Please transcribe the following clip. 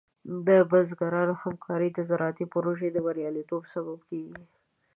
د بزګرانو همکاري د زراعتي پروژو د بریالیتوب سبب کېږي.